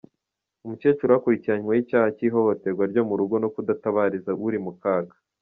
Umukecuru we akurikiranyweho icyaha cy’ ihohoterwa ryo mu rugo no kudatabariza uri mukaga.